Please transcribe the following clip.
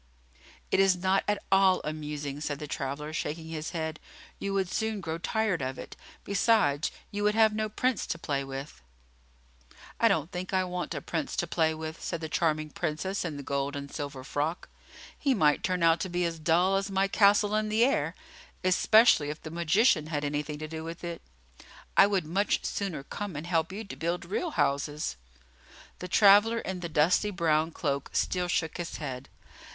"It is not at all amusing," said the traveller, shaking his head. "You would soon grow tired of it; besides, you would have no Prince to play with." "I don't think I want a Prince to play with," said the charming Princess in the gold and silver frock. "He might turn out to be as dull as my castle in the air, especially if the magician had anything to do with it! I would much sooner come and help you to build real houses." The traveller in the dusty brown cloak still shook his head.